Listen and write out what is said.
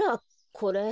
これ。